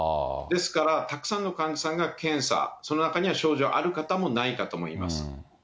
ですから、たくさんの患者さんが検査、その中には症状ある方もない方もいます。